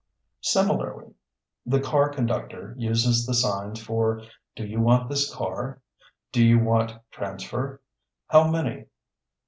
Similarly, the car conductor uses the signs for "Do you want this car?" "Do you want transfer?" "How many?"